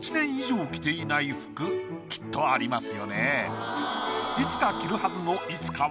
きっとありますよね。